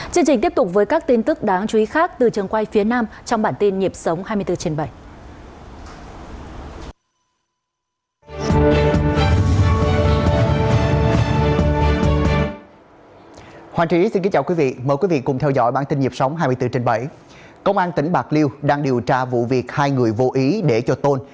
chương trình tiếp tục với các tin tức đáng chú ý khác từ trường quay phía nam trong bản tin nhịp sống hai mươi bốn trên bảy